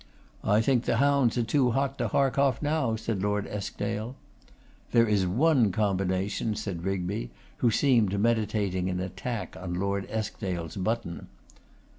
'I think the hounds are too hot to hark off now,' said Lord Eskdale. 'There is one combination,' said Rigby, who seemed meditating an attack on Lord Eskdale's button.